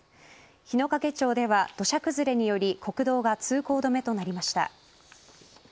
日之影町では土砂崩れにより国道が通行止めとなりました。